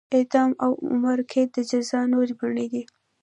اعدام او عمري قید د جزا نورې بڼې دي.